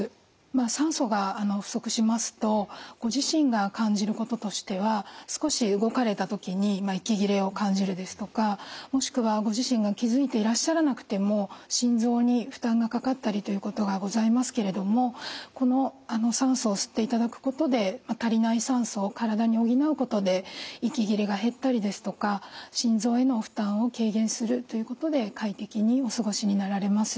酸素が不足しますとご自身が感じることとしては少し動かれた時に息切れを感じるですとかもしくはご自身が気付いていらっしゃらなくても心臓に負担がかかったりということがございますけれどもこの酸素を吸っていただくことで足りない酸素を体に補うことで息切れが減ったりですとか心臓への負担を軽減するということで快適にお過ごしになられます。